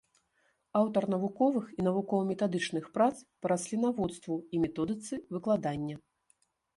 Аўтар навуковых і навукова-метадычных прац па раслінаводству і методыцы выкладання.